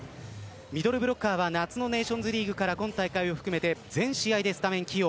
ミドルブロッカーは夏のネーションズリーグから今大会を含め全試合スタメン起用